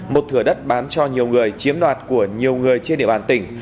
một thửa đất bán cho nhiều người chiếm đoạt của nhiều người trên địa bàn tỉnh